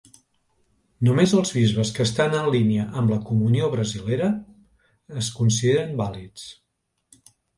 Només els bisbes que estan en línia amb la comunió brasilera es consideren vàlids.